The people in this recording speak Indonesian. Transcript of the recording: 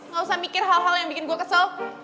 gak usah mikir hal hal yang bikin gue kesel